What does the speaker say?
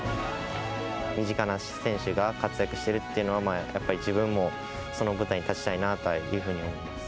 身近な選手が活躍してるっていうのは、やっぱり自分もその舞台に立ちたいなというふうに思います。